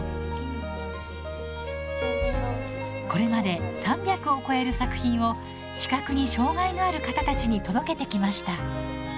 これまで３００を超える作品を視覚に障がいのある方たちに届けてきました。